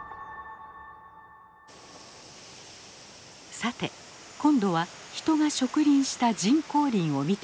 さて今度は人が植林した人工林を見ていきましょう。